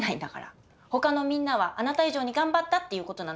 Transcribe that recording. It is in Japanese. ほかのみんなはあなた以上に頑張ったっていう事なの。